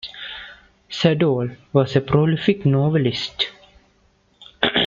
Sadoul was a prolific novelist.